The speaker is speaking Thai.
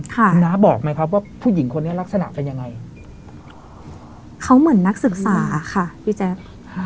คุณน้าบอกไหมครับว่าผู้หญิงคนนี้ลักษณะเป็นยังไงเขาเหมือนนักศึกษาค่ะพี่แจ๊ค